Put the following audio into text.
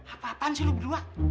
apa apaan sih lo berdua